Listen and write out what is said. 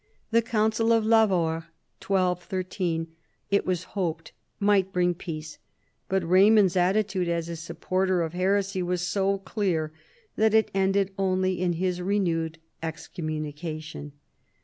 The council of Lavaur (1213), it was hoped, might bring peace, but Raymond's attitude as a supporter of heresy was so clear that it ended only in his renewed excommunication.